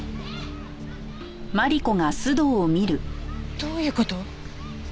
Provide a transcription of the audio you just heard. どういう事？